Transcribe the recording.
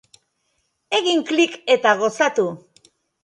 Egin klik eta gozatu!